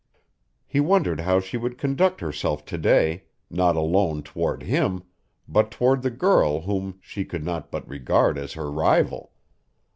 He wondered how she would conduct herself today, not alone toward him but toward the girl whom she could not but regard as her rival.